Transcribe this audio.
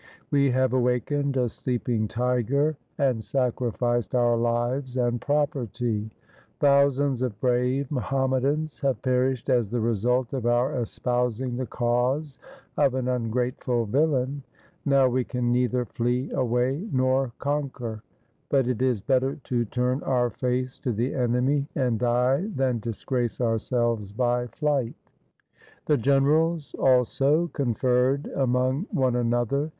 We have awakened a sleeping tiger and sacrificed our lives and property. Thousands of brave Muhammadans have perished as the result of our espousing the cause of an ungrateful villain. Now we can neither flee away nor conquer. But it is better to turn 2o6 THE SIKH RELIGION our face to the enemy and die than disgrace our selves by flight.' The generals also conferred among one another.